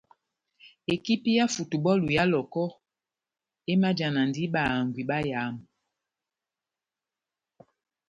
Ekipi yá futubɔlu ya Lɔhɔkɔ emajanadi bahangwi bayamu.